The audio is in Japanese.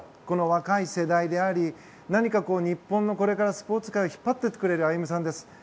この若い世代であり何か日本のこれからスポーツ界を引っ張っていってくれる歩夢さんです。